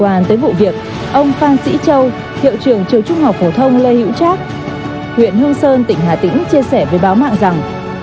về vụ việc ông phan sĩ châu thiệu trưởng trường trung học phổ thông lê hữu trác huyện hương sơn tỉnh hà tĩnh chia sẻ với báo mạng rằng